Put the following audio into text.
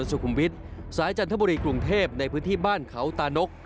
สุขุมวิทย์สายจันทบุรีกรุงเทพในพื้นที่บ้านเขาตานก